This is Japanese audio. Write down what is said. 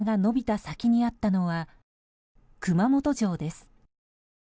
まばゆい稲妻が伸びた先にあったのは熊本城です。